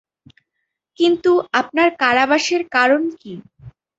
কিন্তুু, আপনার কারাবাসের কারণ কী?